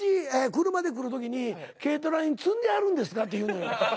「車で来る時に軽トラに積んではるんですか？」って言うのよ。